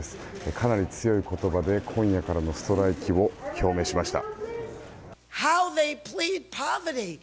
かなり強い言葉で今夜からのストライキを表明しました。